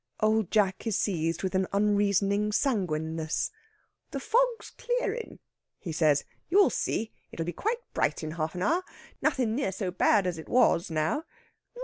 Old Jack is seized with an unreasoning sanguineness. "The fog's clearin'," he says. "You'll see, it'll be quite bright in half an hour. Nothin' near so bad as it was, now.